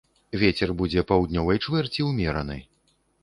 Вецер будзе паўднёвай чвэрці ўмераны.